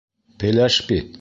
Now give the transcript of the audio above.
Пеләш бит!